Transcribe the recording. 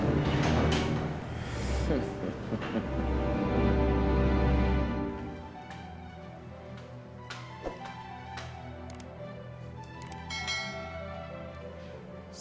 tapi aku tidak tahu apa yang akan terjadi